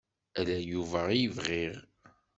Ala Yuba i bɣiɣ.